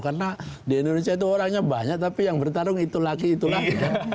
karena di indonesia itu orangnya banyak tapi yang bertarung itu lagi itu lagi